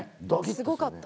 すごかった。